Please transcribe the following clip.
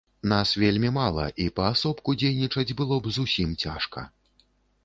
Нас вельмі мала, і паасобку дзейнічаць было б зусім цяжка.